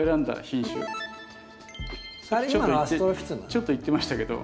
ちょっと言ってましたけど。